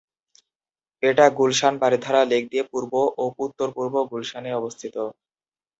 এটা গুলশান-বারিধারা লেক দিয়ে পূর্ব ও উত্তর-পূর্ব গুলশান-এ অবস্থিত।